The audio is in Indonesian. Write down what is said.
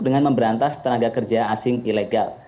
dengan memberantas tenaga kerja asing ilegal